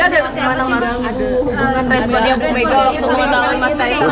ada hubungan responnya bumega